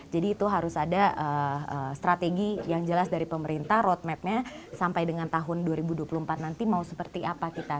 jadi itu harus ada strategi yang jelas dari pemerintah road map nya sampai dengan tahun dua ribu dua puluh empat nanti mau seperti apa kita